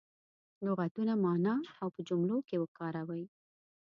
لغتونه معنا او په جملو کې وکاروي.